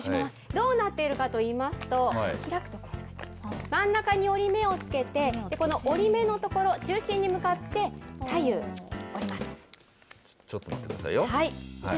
どうなっているかといいますと、真ん中に折り目を付けて、この折り目のところ、中心に向かって左ちょっと待ってくださいよ。